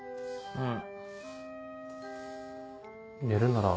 うん。